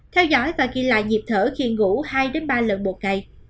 theo dõi và ghi lại nhịp thở khi ngủ hai ba lần một ngày